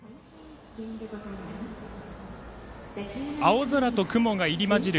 青空と雲が入りまじる